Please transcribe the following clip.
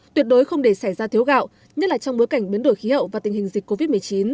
tuyệt đối không để xảy ra thiếu gạo nhất là trong bối cảnh biến đổi khí hậu và tình hình dịch covid một mươi chín